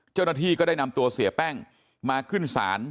เจ้าหน้าที่ก็ได้นำตัวเสียแป้งมาขึ้นศาล